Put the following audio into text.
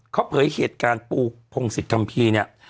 เขาเผยเกตการณ์ปูพงศิษย์ธำพีเนี่ย